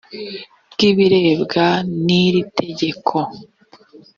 bw ibirebwa n iri tegeko